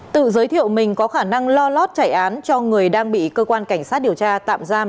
tự giới thiệu mình có khả năng lo lót chạy án cho người đang bị cơ quan cảnh sát điều tra tạm giam